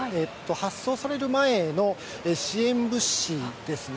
発送される前の支援物資ですね。